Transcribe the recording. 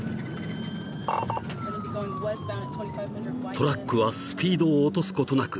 ［トラックはスピードを落とすことなく］